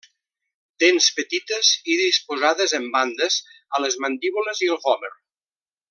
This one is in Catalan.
Dents petites i disposades en bandes a les mandíbules i el vòmer.